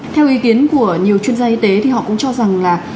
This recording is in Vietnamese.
theo ý kiến của nhiều chuyên gia y tế thì họ cũng cho rằng là